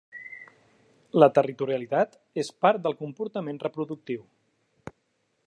La territorialitat és part del comportament reproductiu.